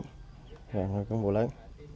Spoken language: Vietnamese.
là công bộ lớn